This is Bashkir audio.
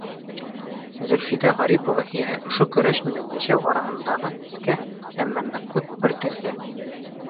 Зөлфидә Ғарипова иһә ошо көрәш менән йәшәү араһындағы нескә, әммә ныҡлы күпер төҫлө.